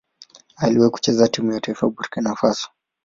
Aliwahi kucheza timu ya taifa ya Burkina Faso.